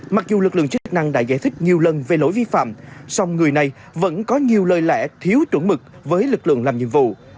mặc dù lực lượng chức năng đã giải thích nhiều lần về lỗi vi phạm song người này vẫn có nhiều lời lẽ thiếu chuẩn mực với lực lượng làm nhiệm vụ